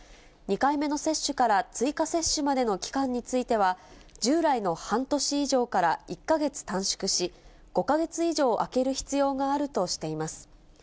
２回目の接種から追加接種までの期間については、従来の半年以上から１か月短縮し、５か月以上空ける必要があるとしています。